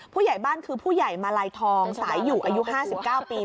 ผู้ใหญ่บ้านคือผู้ใหญ่มาลัยทองสายอยู่อายุ๕๙ปี